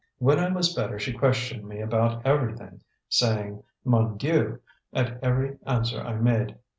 When I was better she questioned me about everything, saying 'Mon Dieu!' at every answer I made.